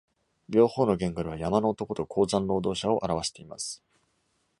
両方の言語では、「山の男」と「鉱山労働者」を表しています。